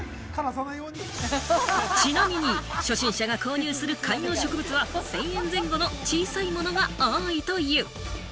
ちなみに初心者が購入する観葉植物は、１０００円前後の小さいものが多いという。